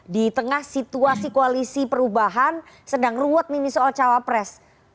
di tengah situasi koalisi perubahan sedang ruwet ini soal cawapres